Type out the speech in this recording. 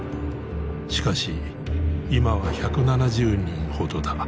しかし今は１７０人ほどだ。